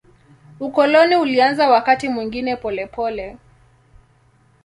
Ukoloni ulianza wakati mwingine polepole.